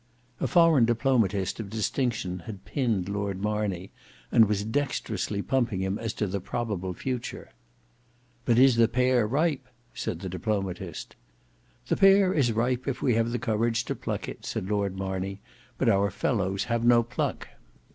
A foreign diplomatist of distinction had pinned Lord Marney, and was dexterously pumping him as to the probable future. "But is the pear ripe?" said the diplomatist. "The pear is ripe if we have courage to pluck it," said Lord Marney; "but our fellows have no pluck."